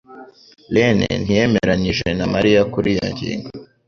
rene ntiyemeranije na Mariya kuri iyo ngingo.